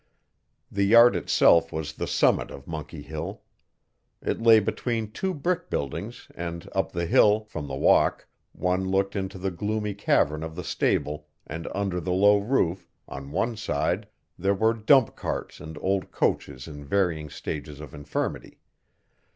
The yard itself was the summit of Monkey Hill. It lay between two brick buildings and up the hill, from the walk, one looked into the gloomy cavern of the stable and under the low roof, on one side there were dump carts and old coaches in varying stages of infirmity.